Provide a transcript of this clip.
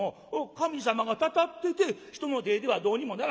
神様がたたってて人の手ではどうにもならん？」。